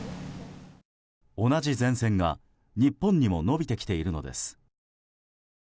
同じ前線が日本にも延びてきているのです。